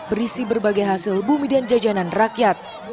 berisi berbagai hasil bumi dan jajanan rakyat